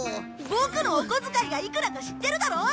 ボクのお小遣いがいくらか知ってるだろ！